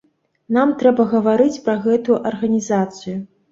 Нам трэба гаварыць пра гэтую арганізацыю.